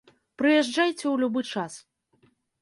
Прыязджайце ў любы час.